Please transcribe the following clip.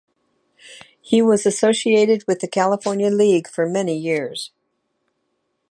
He was associated with the California League for many years.